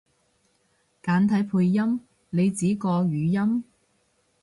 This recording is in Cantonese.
簡體配音？你指個語音？